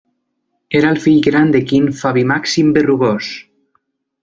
Era el fill gran de Quint Fabi Màxim Berrugós.